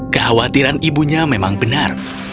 kekhawatiran ibunya memang benar